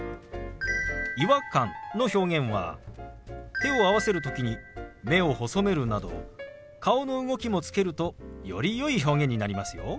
「違和感」の表現は手を合わせる時に目を細めるなど顔の動きもつけるとよりよい表現になりますよ。